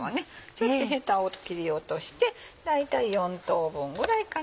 ちょっとヘタを切り落として大体４等分ぐらいかな。